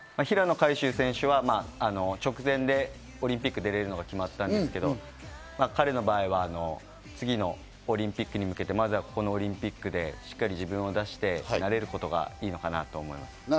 平野海祝選手は直前でオリンピックに出られると決まったんですけど、彼の場合は次のオリンピックに向けて、まずはこのオリンピックでしっかり自分を出して、慣れることがいいのかなと思います。